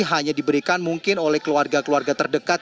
hanya diberikan mungkin oleh keluarga keluarga terdekat